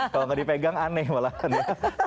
kalau nggak dipegang aneh malahan ya